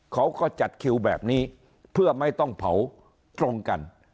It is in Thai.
เขาก็จัดคิวแบบนี้เพื่อไม่ต้องเผาตรงกัน